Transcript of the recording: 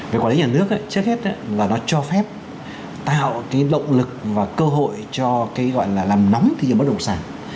về quản lý nhà nước trước hết là nó cho phép tạo động lực và cơ hội cho làm nóng thị trường bất động sản việt nam